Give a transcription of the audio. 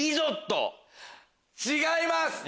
違います。